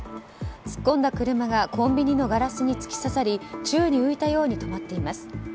突っ込んだ車がコンビニのガラスに突き刺さり宙に浮いたように止まっています。